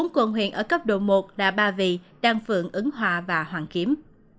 bốn quận huyện ở cấp độ một là ba vị đan phượng ứng hòa và hoàng kiếm